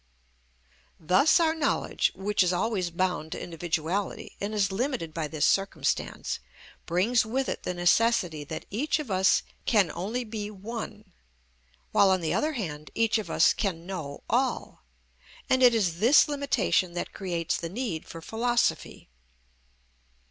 Thus our knowledge, which is always bound to individuality and is limited by this circumstance, brings with it the necessity that each of us can only be one, while, on the other hand, each of us can know all; and it is this limitation that creates the need for philosophy.